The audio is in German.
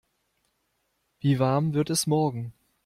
Wie warm wird es morgen?